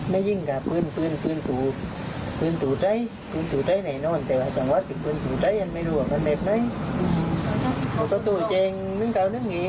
มันคือปืนลั่นค่ะ